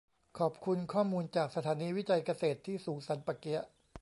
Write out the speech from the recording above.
ขอบคุณข้อมูลจาก สถานีวิจัยเกษตรที่สูงสันป่าเกี๊ยะ